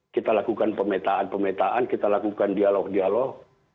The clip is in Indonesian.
kita lakukan pemetaan pemetaan kita lakukan dialog dialog